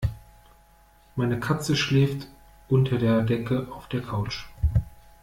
Meine Katze schläft unter der Decke auf der Couch.